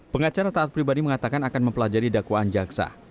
pengacara taat pribadi mengatakan akan mempelajari dakwaan jaksa